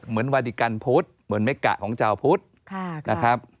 เหมือนวัฒนิกัณฑ์พุทธเหมือนเมกะของเจ้าพุทธ